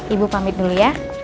ibu pamit dulu ya